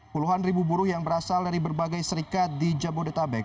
puluhan ribu buruh yang berasal dari berbagai serikat di jabodetabek